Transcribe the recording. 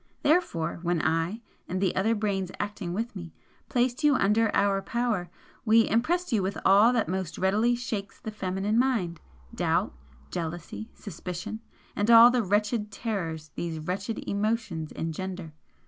Therefore, when I, and the other brains acting with me, placed you under our power, we impressed you with all that most readily shakes the feminine mind doubt, jealousy, suspicion, and all the wretched terrors these wretched emotions engender.